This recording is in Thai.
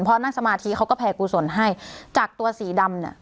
พอนั่งสมาธิเขาก็แผ่กุศลให้จากตัวสีดำเนี่ย